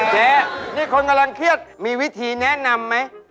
เจ๊นี่คนกำลังเครียดมีวิธีแนะนำไหม